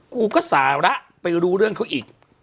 กูก็สาระไปรู้เรื่องเขาอีก